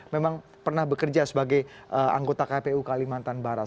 memang pernah bekerja sebagai anggota kpu kalimantan barat